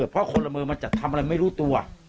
เพราะคนละมือมันจะทำอะไรไม่รู้ตัว